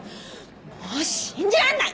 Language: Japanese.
もう信じらんない！